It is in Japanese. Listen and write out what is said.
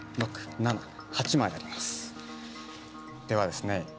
ではですね